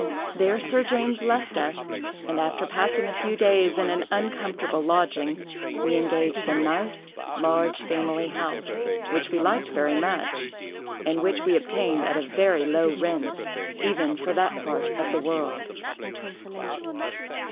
There Sir James left us, and, after passing a few days in an uncomfortable lodging, we engaged a nice, large family house, which we liked very much, and which we obtained at a very low rent, even for that part of the world.